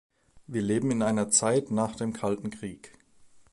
Wir leben in einer Zeit nach dem Kalten Krieg.